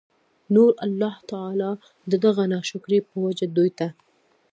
نو الله تعالی د دغه ناشکرۍ په وجه دوی ته